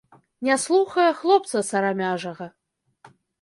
Не слухае хлопца сарамяжага.